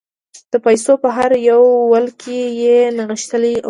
د پایڅو په هر یو ول کې یې نغښتلي عفتونه